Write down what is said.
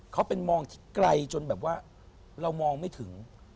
เขาเป็นมองที่ไกลจนแบบว่าเรามองไม่ถึง